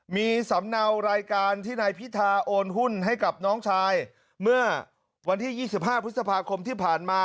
มีสำเนารายการที่นายพิธาโอนหุ้นให้กับน้องชายเมื่อวันที่๒๕พฤษภาคมที่ผ่านมา